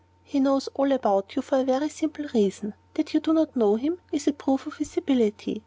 "He knows all about you, for a very simple reason. That you do not know him, is a proof of his ability.